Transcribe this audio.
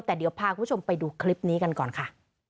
แต่เดี๋ยวพาคุณผู้ชมไปดูคลิปนี้กันก่อนค่ะ